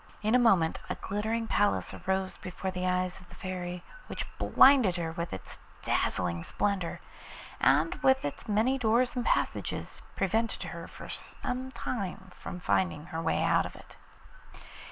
In a moment a glittering palace arose before the eyes of the Fairy which blinded her with its dazzling splendour, and with its many doors and passages prevented her for some time from finding her way out of it.